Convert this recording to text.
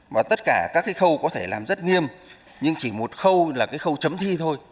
mà tất cả các cái khâu có thể làm rất nghiêm nhưng chỉ một khâu là cái khâu chấm thi thôi